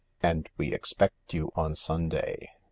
And we expect you on Sunday.